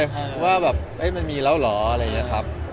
ยังข่าวที่ตั้งกดตั้งเกิดอะไรอย่างนี้ก็ยังไม่รู้เลยครับ